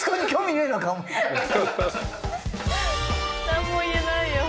何も言えないよ